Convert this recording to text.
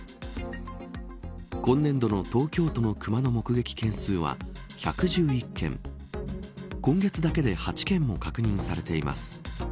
今年度の東京都の熊の目撃件数は１１１件今月だけで８件も確認されています。